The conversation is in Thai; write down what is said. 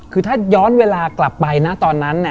คือถ้าย้อนเวลากลับไปนะตอนนั้น